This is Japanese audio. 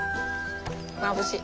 まぶしい。